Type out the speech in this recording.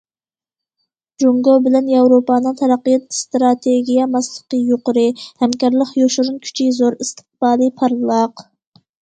جۇڭگو بىلەن ياۋروپانىڭ تەرەققىيات ئىستراتېگىيە ماسلىقى يۇقىرى، ھەمكارلىق يوشۇرۇن كۈچى زور، ئىستىقبالى پارلاق.